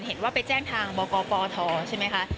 เห็นว่าไปแจ้งทางบกปทใช่ไหมคะ